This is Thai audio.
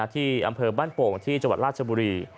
ที่อำเภอบ้านโป่งที่จังหวัดราชบุรี